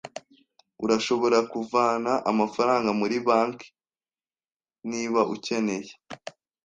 Urashobora kuvana amafaranga muri banki, niba ukeneye.